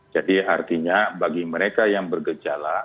artinya bagi mereka yang bergejala